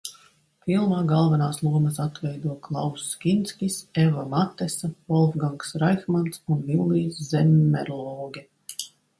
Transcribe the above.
Filmā galvenās lomas atveido Klauss Kinskis, Eva Matesa, Volfgangs Raihmans un Villijs Zemmerloge.